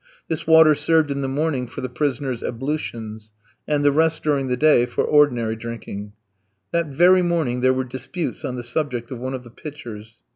This water served in the morning for the prisoners' ablutions, and the rest during the day for ordinary drinking. That very morning there were disputes on the subject of one of the pitchers.